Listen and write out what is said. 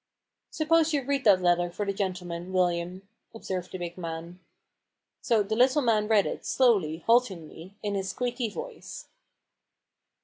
" Suppose you read that letter for the gentle man, William," observed the big man. So the little man read it, slowly, haltingly, in his squeaky voice.